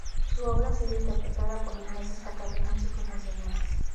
Su obra ha sido interpretada por los más destacados músicos nacionales.